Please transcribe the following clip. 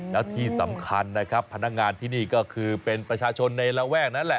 แล้วที่สำคัญนะครับพนักงานที่นี่ก็คือเป็นประชาชนในระแวกนั้นแหละ